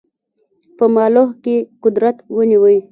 په مالوه کې قدرت ونیوی.